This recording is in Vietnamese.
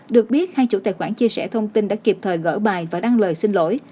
được biết hai chủ tài khoản chia sẻ thông tin đã kịp thời gỡ bài và đăng lời xin lỗi